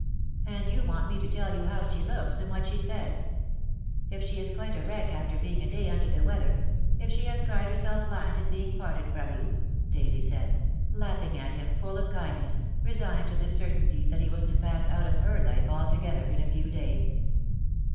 "And you want me to tell you how she looks, and what she says. If she is quite a wreck after being a day under the weather; if she has cried her self blind at being parted from you," Daisy said, 268" DEAD LOVE HAS CHAINS. laughing at him, full of kindness, resigned to the certainty that he was to pass out of her life alto gether in a few days.